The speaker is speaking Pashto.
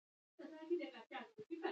د اتشې سوداګریز رول څه دی؟